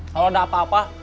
kalau ada apa apa